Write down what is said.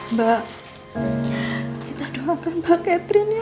mbak kita doakan mbak katrin ya